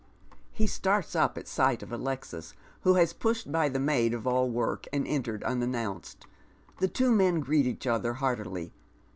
He starts up at sight of Alexis, who has pushed by the maid of all work and entered unannounced. The two men greet each other heartily.